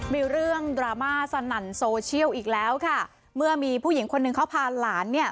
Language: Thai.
มีเรื่องดราม่าสนั่นโซเชียลอีกแล้วค่ะเมื่อมีผู้หญิงคนหนึ่งเขาพาหลานเนี่ย